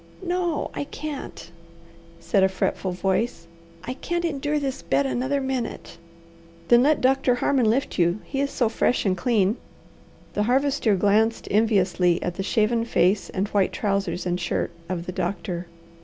"No, I can't," said a fretful voice. "I can't endure this bed another minute." "Then let Doctor Harmon lift you. He is so fresh and clean." The Harvester glanced enviously at the shaven face and white trousers and shirt of the doctor.